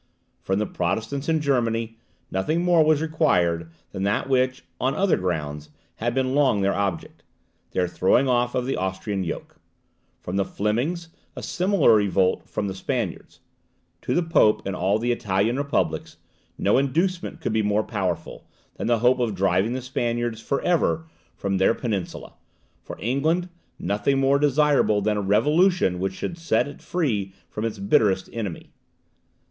From the Protestants in Germany nothing more was required than that which, on other grounds, had been long their object, their throwing off the Austrian yoke; from the Flemings, a similar revolt from the Spaniards. To the Pope and all the Italian republics no inducement could be more powerful than the hope of driving the Spaniards for ever from their peninsula; for England, nothing more desirable than a revolution which should free it from its bitterest enemy.